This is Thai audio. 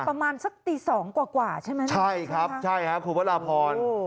ประมาณสักตี๒กว่าใช่ไหมครับใช่ครับคุณพระราพร